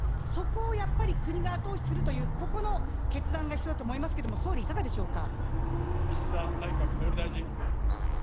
そこをやっぱり国が後押しするというここの決断が必要だと思いますけれども、総理、いかがでしょうか。